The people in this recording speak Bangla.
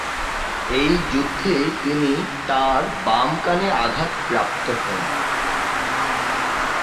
এই যুদ্ধে তিনি তাঁর বাম কানে আঘাতপ্রাপ্ত হন।